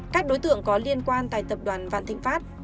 các đối tượng có liên quan tại tập đoàn vạn thịnh pháp